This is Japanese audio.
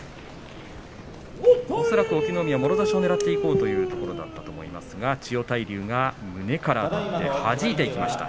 隠岐の海はもろ差しをねらっていこうというところだったと思いますが千代大龍が胸からあたってはじいていきました。